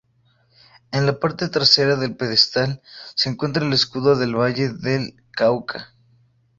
En la parte trasera del pedestal se encuentra el Escudo del Valle del Cauca.